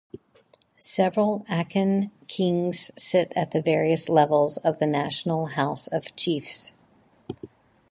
Several Akan Kings sit at the various levels of the National House of "Chiefs".